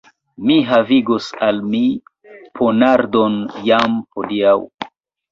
Mi havigos al mi ponardon jam hodiaŭ.